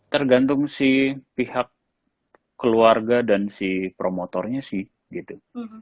tergantung si pihak keluarga dan si promotornya sih gitu